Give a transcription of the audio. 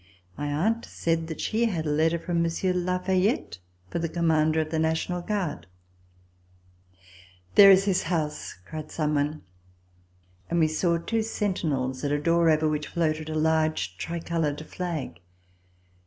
My aunt said that she had a letter from Monsieur de La Fayette for the commander of the National Guard. [ii6] VISIT TO SWnZKRLAND ''There is his house," cried sonic one, and we saw two sentinels at a door over which iloated a hirge tricolored flag.